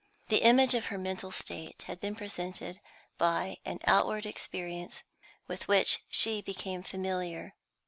The image of her mental state had been presented by an outward experience with which she became familiar.